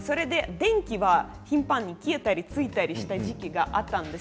電気が頻繁に消えたりついたりしていた時期があったんです。